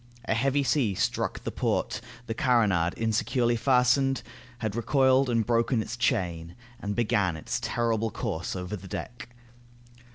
A heavy sea struck the port, the carronade, insecurely fastened, had recoiled and broken its chain, and began its terrible course over the deck.